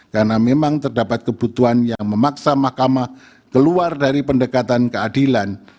karena memang terdapat kebutuhan yang memaksa mahkamah keluar dari pendekatan keadilan